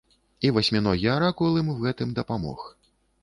І васьміногі аракул ім у гэтым дапамог.